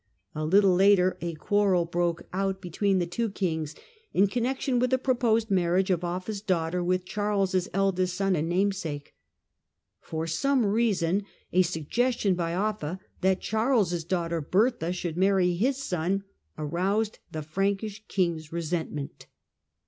A little later a quarrel broke out CHARLES, KING OF THE FRANKS, 773 799 169 between the two kings, in connection with a proposed marriage of Offa's daughter with Charles' eldest son and namesake. For some reason, a suggestion by Offa that Charles' daughter Bertha should marry his son aroused the Frankish king's resentment.